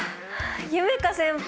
夢叶先輩！